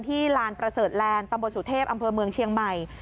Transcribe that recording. ลานประเสริฐแลนด์ตำบลสุเทพอำเภอเมืองเชียงใหม่